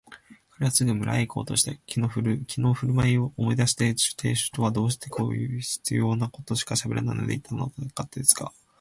彼はすぐ村へいこうとした。きのうのふるまいを思い出して亭主とはどうしても必要なことしかしゃべらないでいたのだったが、